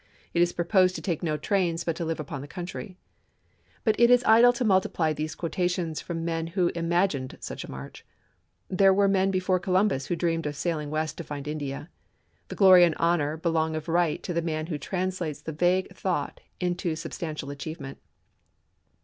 It is proposed to take no trains, but live upon the country. ..? But it is idle to multiply these quotations from the men who im agined such a march. There were men before Columbus who dreamed of sailing west to find India. The glory and honor belong of right to the man who translates the vague thought into sub 496 ABKAHAM LINCOLN chap. xx. stantial achievement.